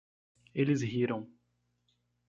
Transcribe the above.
Eles riram